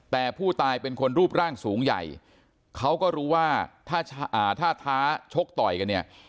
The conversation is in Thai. แต่ผู้ตายเป็นคนรูปร่างสูงใหญ่เขาก็รู้ว่าถ้าท้าชกต่อยกันเนี่ย